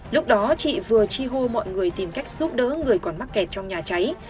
lúc đó chị vừa chi hô mọi người tìm cách giúp đỡ người còn mắc kẹt trong nhà cháy